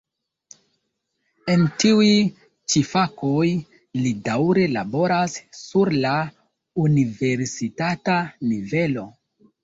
En tiuj ĉi fakoj li daŭre laboras sur la universitata nivelo.